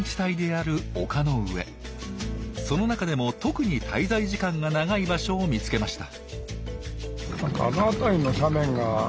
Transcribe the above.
その中でも特に滞在時間が長い場所を見つけました。